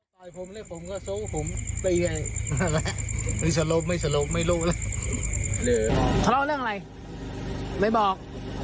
คลุมไม่ออก